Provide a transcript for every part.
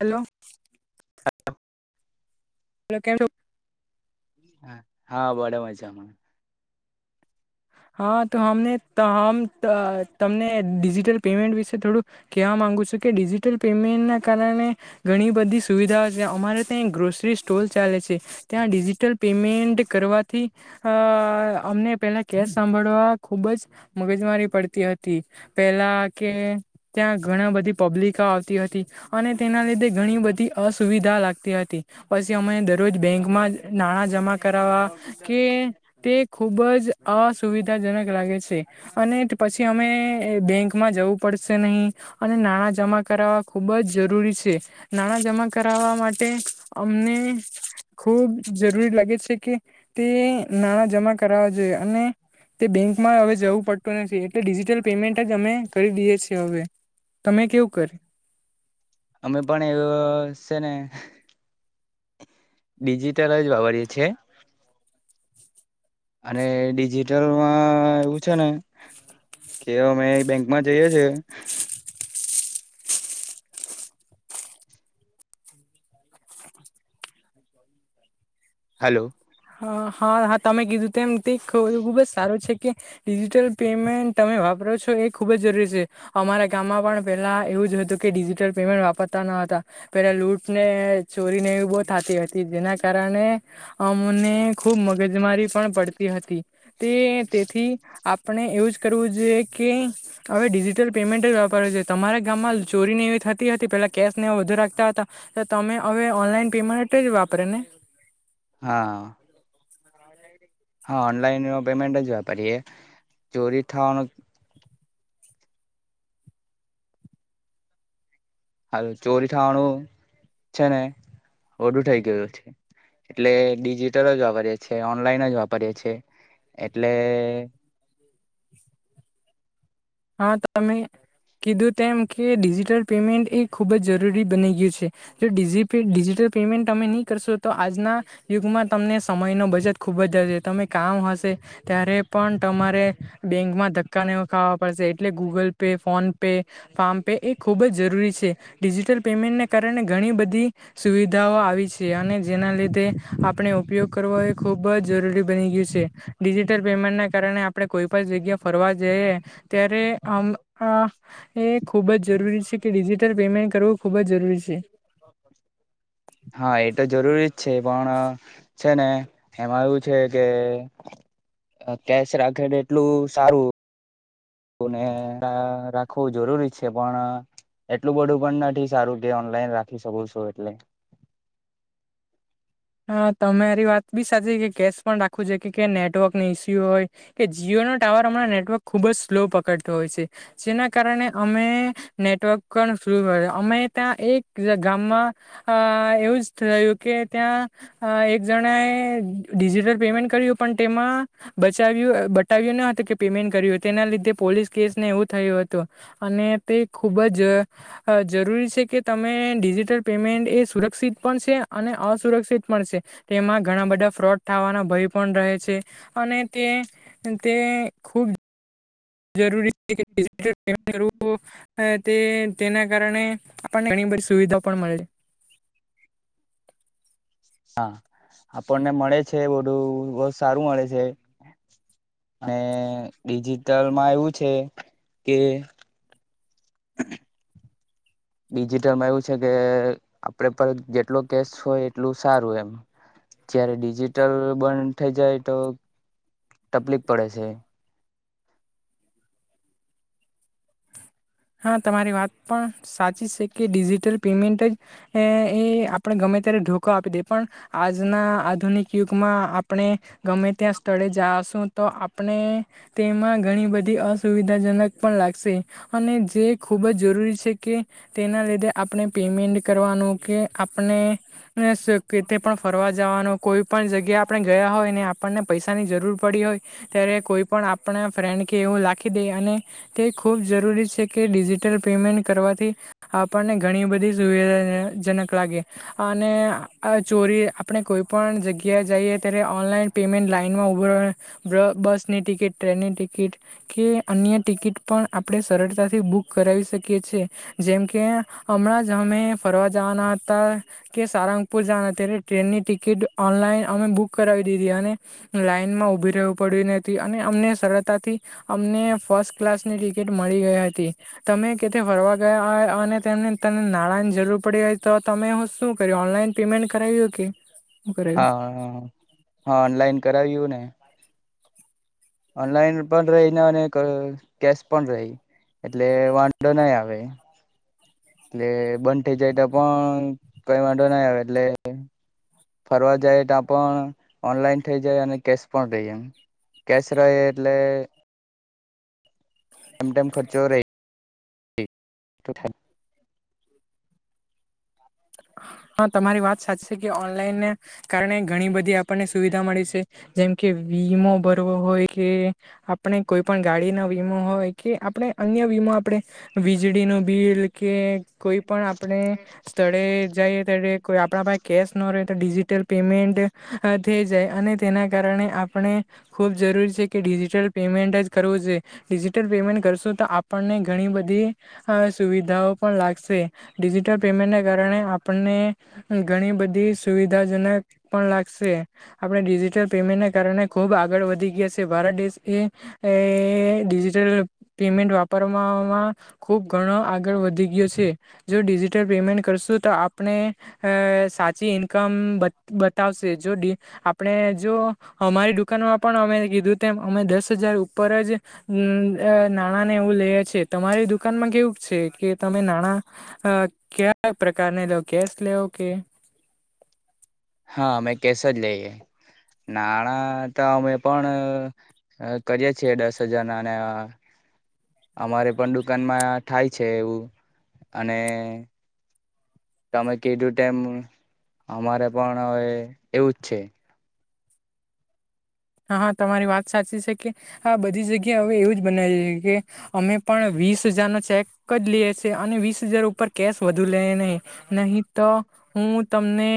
Hello hello કેમ હ હા બડે મજામાં હા તો અમનેમ તમને ડિજિટલ પેમેન્ટ વિશે થોડું ક ગુ છ કે ડિજિટલ પેમેન્ટના કારણે ઘણી બધી સુવિધા અમારે ત્યાં એક ગ્રોસરી સ્ટોલ ચાલે છે ત્યાં ડિજિટલ પેમેન્ટ કરવા થી અ અમને પેલા કેસ સાંભળવા ખુબ જ મગજમારી પડતી હતી પેલા કે ત્યાં ઘણા બધી પબ્લિકા આવતી હતી અને તેના લીધે ઘણી બધી અસુવિધા લાગતી હતી પછી અમને દરરોજ બેંકમાં નાણા જમા કરાવવા કે તે ખુબ જ અસુવિધાજનક લાગે છે અને પછી અમે બેંકમાં જવું પડશે નહીં અને નાણાં જમા કરાવવા ખુબ જ જરૂરી છે નાણાં જમા કરાવવા માટે અમને ખૂબ જરૂરી લાગે છે કે તે નાણાં જમા કરાવ જોઈ અને તે બેંકમાં હવે જવું પડતું નથી એટલે ડિજિટલ પેમેન્ટ જ અમે કરી દઈએ છીએ હવે તમે કેવું કર અમે પણ એવું છે ને ડિજિટલ જ વાપરીએ છીએ [inaudible] અને ડિજિટલમાં એવું છે ને કે અમે બેંક માં જઈએ છે હલો હ હા હા તમે કીધું તેમમ તે ખું ખુબ જ સારું છે ડિજિટલ પેમેન્ટ તમે વાપરો છો એ ખુબ જ જરૂરી છે અમારા ગામમાં પણ પેલાું [inaudible] હતું કે ડિજિટલ પેમેન્ટ વાપરતા ન હતા પેલા લૂટને ચોરીને એવી બહ થતી હતી એના કારણે ને ખૂબ મગજમારી પણ પડતી હતી તે તેથી આપણે એવું જ કરવું જોઈએ કે હવે ડિજિટલ પેમેન્ટ જ વેપાર છે તમારા ગામમાં ચોરીની પે કેને વધુ રાખતા તમે હવે ઓનલાઈન પીમાટ જ વાપરે ને હા હા ઓનલાઈન ન પેમેન્ટ જ વાપરીએ ચોરી થવાનો હ ચોરી થવાનુંું છે ને ઓડું થઇ ગયું છે એટલે ડિજિટલ જ વાપરીએ છીએ ઓનલાઈન જ વાપરીએ છીએ એટલે હા ત અમે કીધું તેમ કે ડિજિટલ પેમેન્ટ એ ખૂબ જ જરૂરી બની ગયું છે ડિજટલ પેમેન્ટ તમે નહી કરશો તો આજના યુગમાં તમને સમયનો બજટ ખુબ જ હશે તમે કામ હશે [unintelligible] ત્યારે પણ તમારે બેંકમાં ધક્કા નહીં ખાવા. [unintelligible] એટલે Google Pay PhonePe farm pay એ ખૂબ જ જરૂરી છે, ડિજિટલ પેમેન્ટને ક કારણે ઘણી બધી સુવિધાઓ આવી છે, અને જેના લીધે આપણે ઉપયોગ કરવો એ ખૂબ [unintelligible] જ જરૂરી બની ગયું છે, ડિજિટલ પેમેન્ટને કારણે આપણે કોઈ પણ જગ્યા ફરવા જઈએ. ત્યારે આમ. હા એ ખૂબ જ જરૂરી છે, કે ડિજિટલ પેમેન્ટ કરવું ખૂબ જ જરૂરી છે. હા એ તો જરૂરી જ છે, પણ. છે, ને એમાં એવું છે, કે. કેશ રાખેને એટલું સારું. ને રાખવું જરૂરી છે, પણ એટલું બધું પણ નથી સારું કે ઓનલાઈન રાખી [unintelligible] છું, એટલે [inaudible] હા [unintelligible] ટાવર અમાર નેટવર્ક ખુબ જ સ્લો પકડતો હોય છે, જેના કારણે અમે નેટવર્ક પણ ફ્લુ અમે ત્યાં એક ગામમાં [unintelligible] એવું જ થયું કે ત્યાં અ એક જણાએ ડિજિટલ પેમેન્ટ કર્યું પણ તેમાં બચાવ્યું બટાવ્યું હતું કે પેમેન્ટ કરયુ તેના લીધે પોલીસ કેસ ને એવું થયું હતું અને તે ખૂબ જ જરૂરી છે, કે તમે ડિજિટલ પેમેન્ટ એ સુરક્ષિત પણ છે, અને અસુરક્ષિત પણ છે, તેમાં ઘણા બધા ફ્રોડ થવાના ભય પણ રહે છે. અને તે તે ખુબ જરૂરી [unintelligible] ડિજીટલ પેમેન્ટ કરવું તેના કારણે આપણને બી સુવિધા પણ મળે છે. હા આપણને મળે છે, બધું બહું સારું મળે છે. ને ડિજિટલમાં એવું છે, કે [inaudible] ડિજિટલમાં એવું છે, કે આપડે પર જેટલો કેસ હોય એટલું સારું એમ જય્યારે ડિજિટલ બંધ થઇ જાય તો તકલીફ પડે છે. હા તમારી વાત પણ સાચી છે, કે ડિજિટલ પેમેન્ટ જ એ [unintelligible] આપણે ગમે અ ત્યારે ધોકો આપી દે પણ આજના આધુનિક યુગમાં આપણે ગમે ત્યાં સ્થળે જાસો તો આપણે તેમાં ઘણી બધી અસુવિધાજનક પણ લાગશે. અને જે ખૂબ જ જરૂરી છે, કે તેના લીધે આપણે પેમેન્ટ કરવાનું કે આપને [unintelligible] પણ ફરવા જવાનું કોઈ પણ જગ્યા આપણે ગયા હોય ને આપણને પૈસાની જરૂર પડી હોય ત્યારે કોઈ પણ આપણા ફ્રેન્ડ કે એવું [unintelligible] દે અને તે ખૂબ જરૂરી કે ડિજિટલ પેમેન્ટ કરવાથી આપણને ઘણી બધી સુવિધા જનક લાગે અને ચોરી આપણે કોઈ પણ જગ્યા જઈએ ત્યારે ઓ ઓનલાઇન પેમેન્ટ લાઇનમાં ઉભુ રે [unintelligible] બસની ટિકિટ ટ્રેનની ટિકિટ કે અન્ય ટિકિટ ટિકિટ પણ આપણે સરળતાથી બુક કરાવી શકીએ છેએ જેમકે હમણાં જ અમે ફરવા જવાના હતા. કે સારંગપુર જના અત્યારે ટ્રેનની ટિકિટ ઓનલાઈન અમે બુક કરાવી દીધી અને લાઈનમાં ઉભી રહું પડ્યું અને અમને સરળતાથી અમને ફર્સ્ટ ક્લાસની ટિકિટ મળી ગઈ હતી. તમે કેથી ફરવા ગયા હોય અને તેમને તને નાણાં ની જરૂર પડી હોય તો તમે હુ શું કરયુ ઓનલાઈન પેમેન્ટ કરાવ્યું કે કરાવ્યું હા હ હા ઓનલાઈન કરાવ્યું ને ઓનલાઈન પણ રહીને અને કેશ પણ [unintelligible] એટલે વાંધો [unintelligible] આવે. એટલે બંધ થઈ જાય તો પણ કઈ વાંધો ના આવે એટલે ફરવા જાય તોય પણ ઓનલાઈન થઇ જાય અને કેશ પણ રહી એમ. કેસ રહે એટલે એમ તેમ ખર્ચો રે તો થાય. [inaudible] હા તમારી વાત સાચી છે કે ઓનલાઈનને કારણે ઘણી બધી આપણને સુવિધા મળી છે જેમ કે વીમો ભરવો હોય કે આપણે કોઈ પણ ગાડી ના વીમો હોય કે આપણે અન્ય વીમ આપણે વીજળી નું બિલ કે કોઈ પણ આપણે સ્થળે રહે નહી તો આપડા પાસે કેસ નો રહે તો ડિજિટલ પેમેન્ટ અ થઈ જાય અને તેના કારણે આપણે ખૂબ જરૂરી છે કે ડિજિટલ પેમેન્ટ જ કરવું જોઈએ. ડિજિટલ પેમેન્ટ કરશું તો આપણને ઘણી બધી સુવિધાઓ પણ લાગશે. ડિજિટલ પેમેન્ટને કારણે આપ આપને ઘણી બધી સુવિધાજનક પણ લાગશે આપણે ડિજિટલ પેમેન્ટ ને કારણે ખૂબ આગળ વધી ગયા છે ભારત દેશ એ ડિજિટલ પેમેન્ટ વા વાપરવામાં ખૂબ ઘણો આગળ વધી ગયો છે જો ડિજિટલ પેમેન્ટ કરશું તો આપ ણે અ સાથે પી ઇન્કમ બતાવશે જો આપણે જો અમારી દુકાનમાં પણ અમે કીધું તેમ અમે દસ હજાર ઉપર જ નાણાં ને એવું લઈએ છેએ તમારી દુકાનમાં કેવું? છે કે તમે નાણાં અ કયા પ્રકારને લેવો? કેશ લેવ કે હા મેં કેસા જ લઈએ. નાણાં તો અમે પણ કરીએ છીએ દસ હજાર નાને અમારે પણ દુકાનમાં થાય છે એવું અને તમે કેટું ટાઈમ અમારે પણ હવે એવુંજ છે. હહ તમારી વાત સાચી છે કે આ બધી જગ્યા હવે એવું જ બનાવી છે કે અમે પણ વીસ હજાર નો ચેક જ લઈએ છે અને વીસ હજાર ઉપર કેશ વધુ લે નહીં નહીં તો હું તમને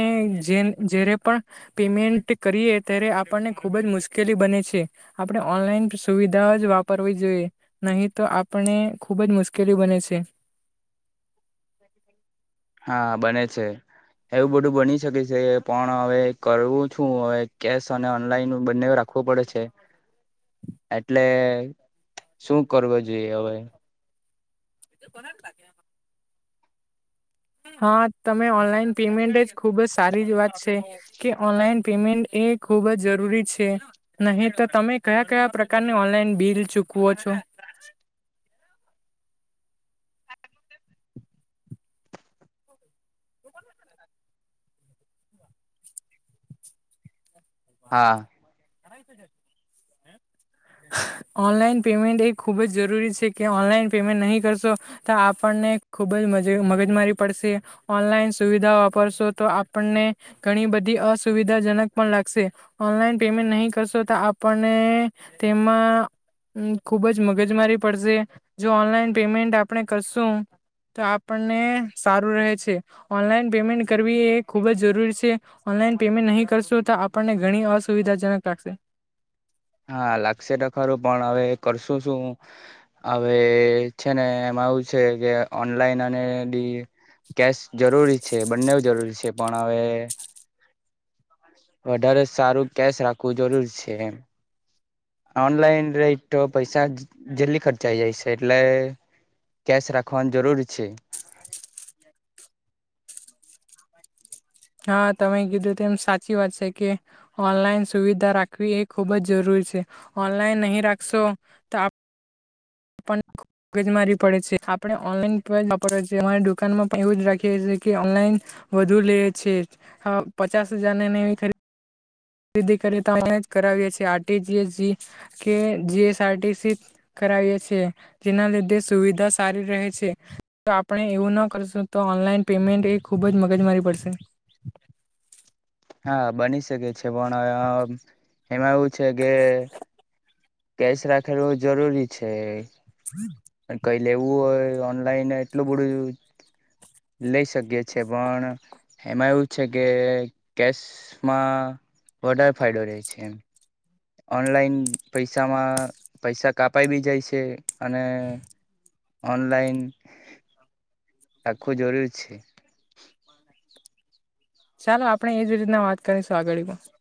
જ્યારે પણ પેમેન્ટ કરીે ત્યારે આપણને ખૂબ જ મુશ્કેલી બને છે આપણે ઓનલાઈન સુવિધા જ વાપરવી જોઈએ નહીં તો આપણે ખૂબ જ મુશ્કેલી બને છે. [inaudible] હા બને છે. એવું બધું બની શકે છે પણ હવે કરવું છું હવે કેશ અને ઓનલાઈન બંને રાખ ખવું પડે છે. [inaudible] એટલે શું કરવો જોઈએ હવે. એ તો કોના લાગે. હા. તમે ઓનલાઈન પેમેન્ટ જ ખૂબ જ સારી જ વાત છે કે ઓનલાઈન પેમેન્ટ એ ખુબ જ જરૂરી છે નહી તો તમે કયા કયા પ્રકારની ઓનલાઈન બિલ ચૂક કો છે. હા. [inaudible] ઓનલાઈન પેમેન્ટ એ ખૂબ જ જરૂરી છે કે ઓનલાઈન પેમેન્ટ નહીં કરશો તો આપણને મગજ મારી પડશે ઓનલાન સુવિધા વાપરશો તો આપને ઘણી બધી અસુવિધાજનક પણ લાગશે ઓનલાઈન પેમેન્ટ નહી કરશો તો આપણને તેમાં હમ્મ ખુબ જ મગજ મારી પડશે જો ઓનલાઈન પેમેન્ટ આપણે કરશું તો આપણને સારું રહે છે ઓનલાઈન પેમેન્ટ કરવી એ ખુબ જ જરૂરી છે. ઓનલાન પેમેન્ટ નહીં કરશું તો આપણને ઘણી અસુવિધાજનક લાગશે. હા લાગશે ટકારું પણ હવે કરશો શું હવે છે ને [unintelligible] છે કે ઓનલાઈન અને એ બી કેશ જરૂરી છે બંને જરૂરી છે પણ હવે વધારે સારું કેશ રાખવું જરૂર છે એમ ઓનલાઈન રેય તો પૈસા જલ્દી ખર્ચાઈ જાય છે, એટલે કેશ રાખવાનું જરૂરી છે. [inaudible] હા તમે કીધું તો એમ સાચી વાત છે, કે ઓનલાઈન સુવિધા રાખવી એ ખુબ જ જરૂ ર છે ઓનલાઈન નહી રાખશો તો આપ પન. મગજ મારી પડે છે આપણે ઓનલાઈન વાપરવાએ છીએ અમારી દુકાનમાં પણ એવું જ રાખીએ છીએ કે ઓનલાઈન વધુ લે છે, અ પચાસ હજારની નેવી ખરી રીદી કરવી તો [unintelligible] જ કરાવી છે આર ટી જી એસ, કે G S R T C, કરાવીએ છે, જેના લીધે સુવિધા સારી રહે છે, આપણે એવું ના કરશું તો ઓનલાઈન પેમેન્ટ એ ખુબ જ મગજ મારી પડશે હા બની શકે છે, પણ એમાં એવું છે કે કેશ રાખેલુ‌ં જરૂરી છે. અને કંઈ લેવું હોય ઓનલાઈન એટલું બધું લઈ શકીએ છે, પણ એમાં એવું છે, કે કેશમાં વધારે‌ ફાયડો રહે છે, એમ ઓનલાઈન પૈસામાં પૈસા કાપાઈ બી જાય છે, અને ઓનલાઈન રાખવું જરૂર છે. ચાલો આપણે એજ રીતના વાત કરીશું આગળી પણ